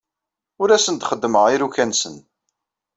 Ur asen-d-xeddmeɣ iruka-nsen.